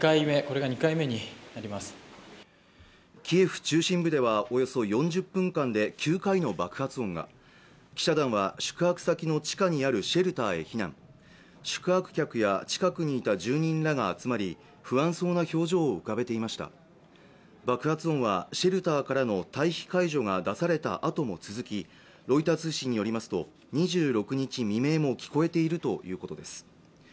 キエフ中心部ではおよそ４０分間で９回の爆発音が記者団は宿泊先の地下にあるシェルターへ避難宿泊客や近くにいた住人らが集まり不安そうな表情を浮かべていました爆発音はシェルターからの退避解除が出されたあとも続きロイター通信によりますと２６日未明も聞こえているということです